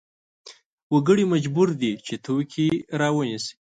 وګړي مجبور دي چې توکې راونیسي.